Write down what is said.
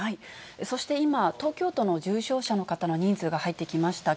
そして今、東京都の重症者の方の人数が入ってきました。